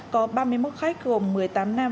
có ba mươi một khách gồm một mươi tám nam